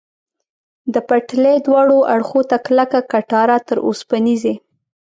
د پټلۍ دواړو اړخو ته کلکه کټاره، تر اوسپنیزې.